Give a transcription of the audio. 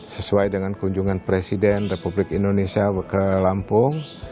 sesuai dengan kunjungan presiden republik indonesia ke lampung